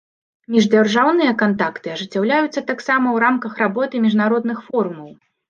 Міждзяржаўныя кантакты ажыццяўляюцца таксама ў рамках работы міжнародных форумаў.